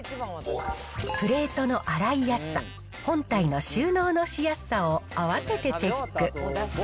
プレートの洗いやすさ、本体の収納のしやすさを合わせてチェック。